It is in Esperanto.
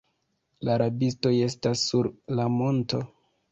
La rabistoj estas sur la monto.